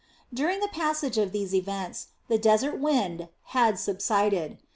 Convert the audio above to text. During the passage of these events the desert wind had subsided.